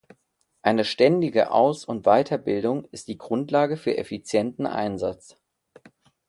Eine ständige Aus- und Weiterbildung ist die Grundlage für effizienten Einsatz.